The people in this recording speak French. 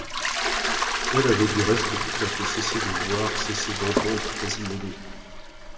Elle avait du reste tout à fait cessé de voir, cessé d’entendre Quasimodo.